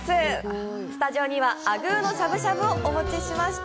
スタジオには、あぐーのしゃぶしゃぶをお持ちしました。